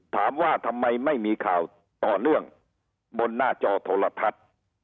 ถามว่าทำไมไม่มีข่าวต่อเนื่องบนหน้าจอโทรทัศน์